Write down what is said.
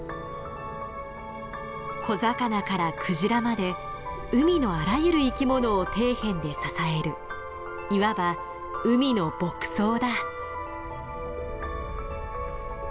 小魚からクジラまで海のあらゆる生きものを底辺で支えるいわば海の牧草だ。